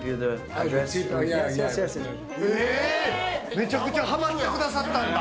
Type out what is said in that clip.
めちゃくちゃハマってくださったんだ。